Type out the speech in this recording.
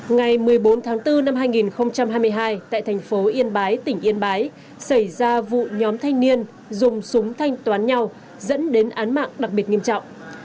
ngày một mươi bốn tháng bốn năm hai nghìn hai mươi hai tại thành phố yên bái tỉnh yên bái xảy ra vụ nhóm thanh niên dùng súng thanh toán nhau dẫn đến án mạng đặc biệt nghiêm trọng